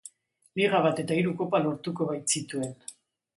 Liga bat eta hiru Kopa lortuko baitzituen.